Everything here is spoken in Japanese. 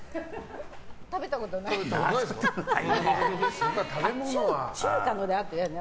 食べたことないよね。